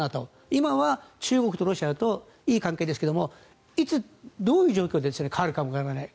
今は中国とロシアといい関係ですがいつ、どういう状況で変わるかもわかりません。